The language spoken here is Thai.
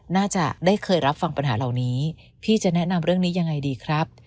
น่าจะได้เคยรับฟังปัญหาเหล่านี้พี่จะแนะนำเรื่องนี้ยังไงดีครับ